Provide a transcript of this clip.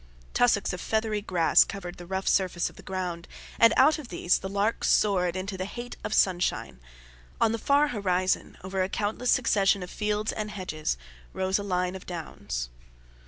Tussocks of feathery grass covered the rough surface of the ground, and out of these the larks soared into the haze of sunshine. On the far horizon, over a countless succession of fields and hedges, rose a line of downs.